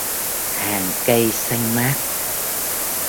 Hàng cây xanh mát